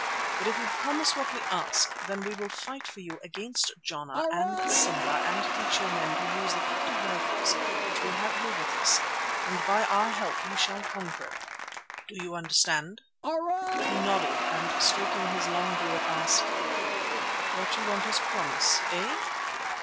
But if you promise what we ask, then we will fight for you against Jana and Simba and teach your men to use the fifty rifles which we have here with us, and by our help you shall conquer. Do you understand?" He nodded and stroking his long beard, asked: "What you want us promise, eh?"